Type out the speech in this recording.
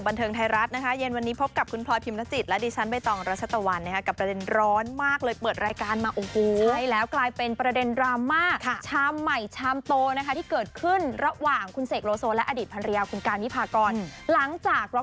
ลงดินใครใครใครบอกว่า